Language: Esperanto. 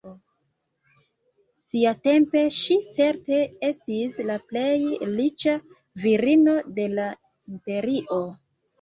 Siatempe ŝi certe estis la plej riĉa virino de la imperio.